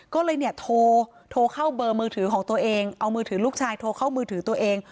ก็เลยเนี่ยโทรเข้าเบอร์มือถือของตัวเองเอามือถือลูกชายโทรเข้ามือถือตัวเอง